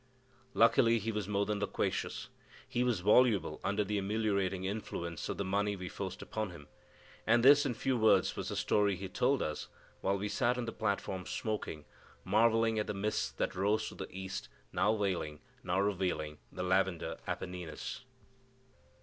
Luckily he was more than loquacious, he was voluble under the ameliorating influence of the money we forced upon him; and this, in few words, was the story he told us while we sat on the platform smoking, marvelling at the mists that rose to the east, now veiling, now revealing the lavender Apennines.